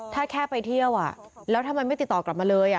ถ้าแค่ไปเที่ยวแล้วทำไมไม่ติดต่อกลับมาเลย